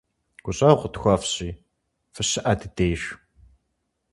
ГущӀэгъу къытхуэфщӀи, фыщыӀэ ди деж!